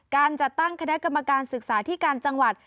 การจัดตั้งคณะกรรมการศึกษาที่การจังหวัด